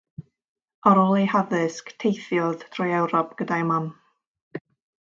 Ar ôl ei haddysg, teithiodd trwy Ewrop gyda'i mam.